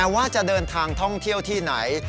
ว่าจะเดินทางท่องเที่ยวที่ไหน